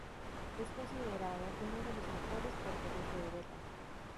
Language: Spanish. Es considerado uno de los mejores porteros de Europa.